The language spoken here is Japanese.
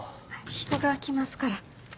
人が来ますから。